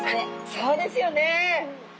そうですよね。